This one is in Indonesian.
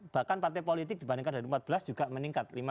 bahkan partai politik dibandingkan dari empat belas juga meningkat